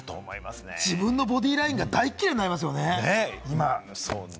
自分のボディラインが大嫌いになりますよね、今。